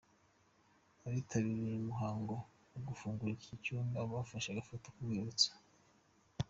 Abitabiriye uyu muhango wo gufungura iki cyumba bafashe agafoto ku rwibutso.